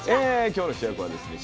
今日の主役はですね